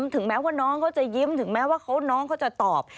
ถึงแม้ว่าน้องเขาจะยิ้มถึงแม้ว่าน้องเขาจะตอบ